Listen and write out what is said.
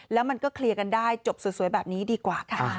แล้วมันก็เคลียร์กันได้จบสวยแบบนี้ดีกว่าค่ะ